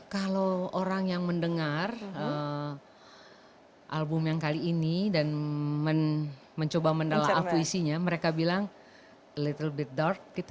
kalau orang yang mendengar album yang kali ini dan mencoba menelaah puisinya mereka bilang little bit dark gitu